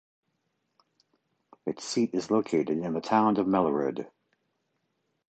Its seat is located in the town of Mellerud.